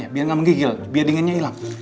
biar nggak menggigil biar dinginnya hilang